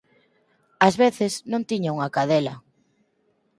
Ás veces non tiña unha cadela.